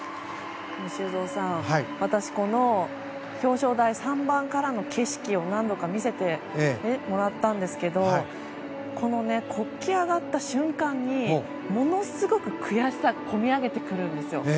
修造さん、私この表彰台で３番からの景色を何度か見せてもらったんですけどこの国旗が上がった瞬間にものすごく悔しさがこみ上げてくるんですよ。